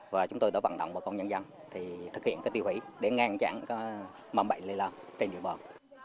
và chúng tôi đã vận động bà con nhân dân thì thực hiện tiêu hủy để ngăn chặn mong bệnh lây lao trên địa bàn